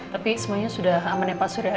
tapi semuanya sudah aman ya pak surya